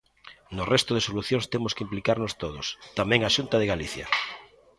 No resto de solucións temos que implicarnos todos, tamén a Xunta de Galicia.